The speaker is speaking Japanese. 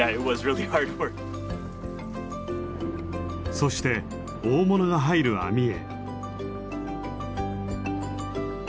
そして大物が入る網へ。